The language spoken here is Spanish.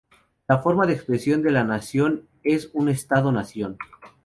La forma de expresión de la nación es un Estado-nación.